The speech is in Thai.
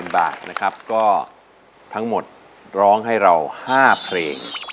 ๐บาทนะครับก็ทั้งหมดร้องให้เรา๕เพลง